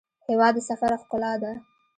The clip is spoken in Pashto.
هېواد د سفر ښکلا ده.